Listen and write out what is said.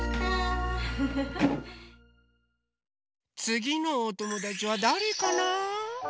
つぎのおともだちはだれかな？